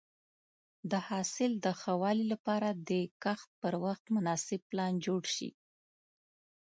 د حاصل د ښه والي لپاره د کښت پر وخت مناسب پلان جوړ شي.